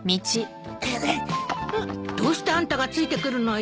どうしてあんたが付いてくるのよ。